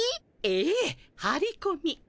ええはりこみ。